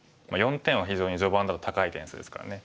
４点は非常に序盤だと高い点数ですからね。